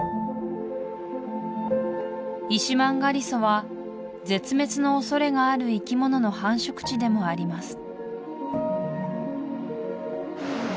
イシマンガリソは絶滅の恐れがある生き物の繁殖地でもあります